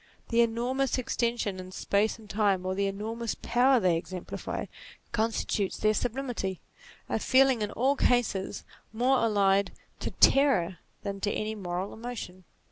The enormous extension in space and time, or the enormous power they exemplify, constitutes their sublimity ; a feeling in all cases, more allied to terror than to any moral emotion.